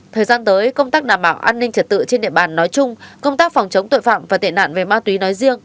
thời gian tới công tác đảm bảo an ninh trật tự trên địa bàn nói chung công tác phòng chống tội phạm và tệ nạn về ma túy nói riêng